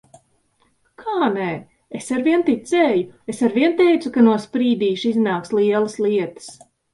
Kā nē? Es arvien ticēju! Es arvien teicu, ka no Sprīdīša iznāks lielas lietas.